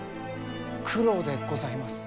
九郎でございます。